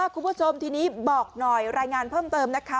คุณผู้ชมทีนี้บอกหน่อยรายงานเพิ่มเติมนะคะ